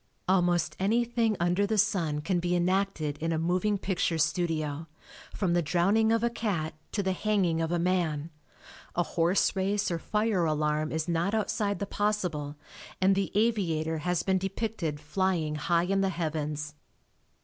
Almost anything under the sun can be enacted in a moving picture studio, from the drowning of a cat to the hanging of a man; a horse race or fire alarm is not outside the possible and the aviator has been depicted "flying" high in the heavens.